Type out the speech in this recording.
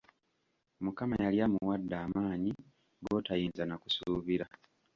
Mukama yali amuwadde amaanyi, gotayinza na kusuubira.